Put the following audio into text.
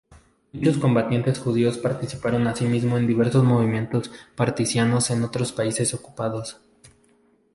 Muchos combatientes judíos participaron asimismo en diversos movimientos partisanos en otros países ocupados.